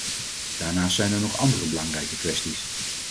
Daarnaast zijn er nog andere belangrijke kwesties.